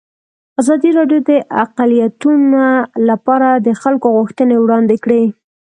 ازادي راډیو د اقلیتونه لپاره د خلکو غوښتنې وړاندې کړي.